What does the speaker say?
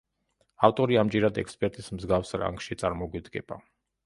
ავტორი ამჯერად ექსპერტის მსგავს რანგში წარმოგვიდგება.